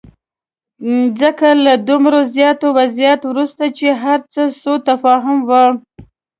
ځکه له دومره زیات وضاحت وروسته چې هرڅه سوءتفاهم وو.